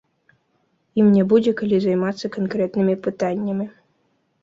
Ім не будзе калі займацца канкрэтнымі пытаннямі.